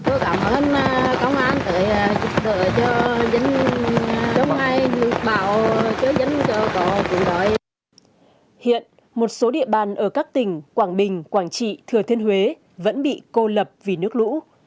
hiện một số địa bàn ở các tỉnh quảng bình quảng trị thừa thiên huế vẫn bị cô lập vì nước lũ